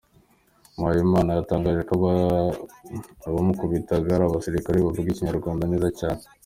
Muhawenimana yatangaje ko abamukubitaga ari abasirikare bavugaga Ikinyarwanda neza cyane.